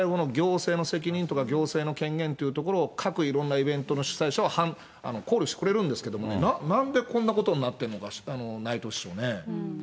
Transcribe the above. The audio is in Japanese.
やっぱり、最後の行政の責任とか、行政の権限というところを各イベントの主催者は考慮してくれるんですけど、なんでこんなことになってるのか、内藤市長ね。